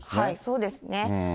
そうですね。